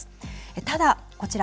ただ、こちら。